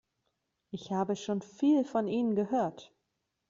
Ich habe schon viel von Ihnen gehört.